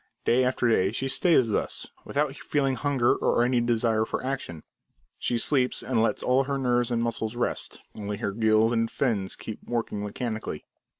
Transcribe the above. Day after day she stays thus, without feeling hunger, or any desire for action. She sleeps and lets all her nerves and muscles rest; only her gills and fins keep working mechanically.